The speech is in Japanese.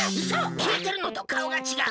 きいてるのとかおがちがう。